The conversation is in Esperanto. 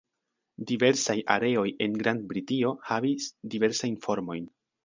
Diversaj areoj en Grand-Britio havis diversajn formojn.